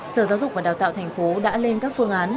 sở giáo dục và đào tạo thành phố đã lên các phương án